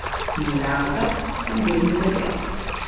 He roused up, and gave me good day.